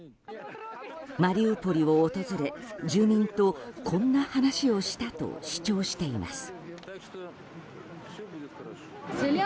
マリウポリを訪れ住民とこんな話をしたと主張しています。